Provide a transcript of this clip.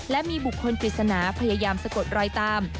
และมีบุคคลปริศนาพยายามสะกดรอยตาม